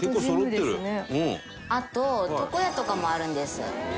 あと床屋とかもあるんです。